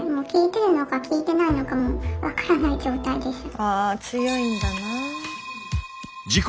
あ強いんだな。